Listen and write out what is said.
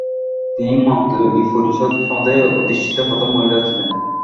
তিনি মন্ত্রিপরিষদ পদে অধিষ্ঠিত প্রথম মহিলা ছিলেন।